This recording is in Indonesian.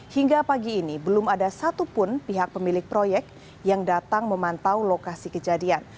hingga pagi ini belum ada satupun pihak pemilik proyek yang datang memantau lokasi kejadian